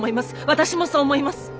私もそう思います。